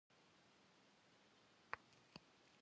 Yi xhêr maş'eş, yi gumeş' beş.